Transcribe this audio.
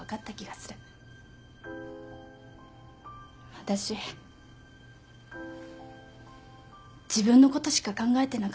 私自分のことしか考えてなかった。